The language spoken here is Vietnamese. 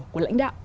của lãnh đạo